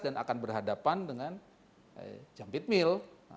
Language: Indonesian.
dan akan berhadapan dengan jampit mil